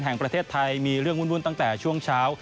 แห่งประเทศไทยมีเรื่องวุ่นตั้งแต่ช่วงเช้า